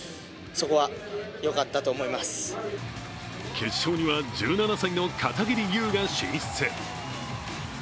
決勝には１７歳の片桐悠が進出。